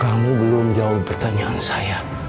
kamu belum jawab pertanyaan saya